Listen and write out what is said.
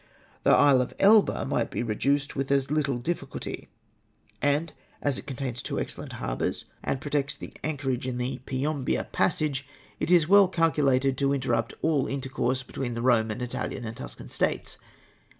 The island of Elba might be reduced with as little difficulty, and as it contains two excellent harbours, and ]54 THE RIGHT HOX. CHARLES VORKE. protects the anchorage in the Piombia passage, it is well calculated to interrujit all intercourse between the Roman, Italian, and Tuscan States.